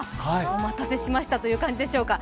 お待たせしましたという感じでしょうか。